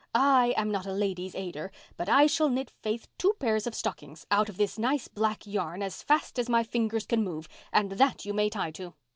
I am not a Ladies' Aider, but I shall knit Faith two pairs of stockings, out of this nice black yarn, as fast as my fingers can move and that you may tie to.